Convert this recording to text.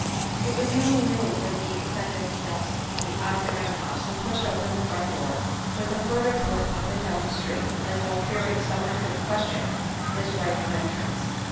It was nearly noon when he ascended the steps of the Octagon House and pushed open the front door, with a furtive look up and down the street, as though fearing someone would question his right of entrance.